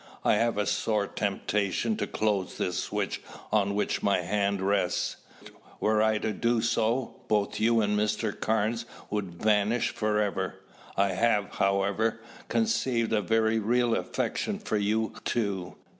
I have a sore temptation to close this switch on which my hand rests. Were I to do so, both you and Mr. Carnes would vanish forevermore. I have, however, conceived a very real affection for you two.